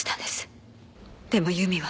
でも由美は。